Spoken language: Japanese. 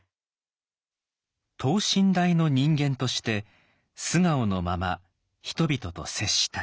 等身大の人間として素顔のまま人々と接したい。